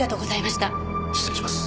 失礼します。